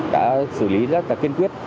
đã xử lý rất là kiên quyết